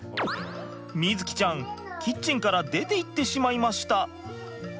瑞己ちゃんキッチンから出ていってしまいました。